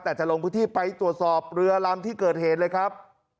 แต่จะลงพื้นที่ไปตรวจสอบเรือลำที่เกิดเหตุเลยครับ